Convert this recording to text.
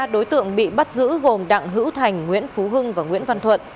ba đối tượng bị bắt giữ gồm đặng hữu thành nguyễn phú hưng và nguyễn văn thuận